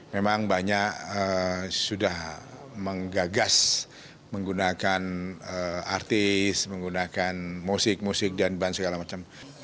memang banyak sudah menggagas menggunakan artis menggunakan musik musik dan ban segala macam